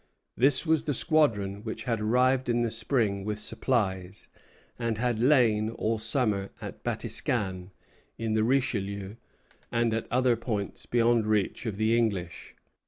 This was the squadron which had arrived in the spring with supplies, and had lain all summer at Batiscan, in the Richelieu, and at other points beyond reach of the English.